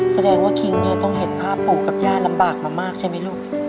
แสดงว่าคิงเนี่ยต้องเห็นภาพปู่กับย่าลำบากมามากใช่ไหมลูก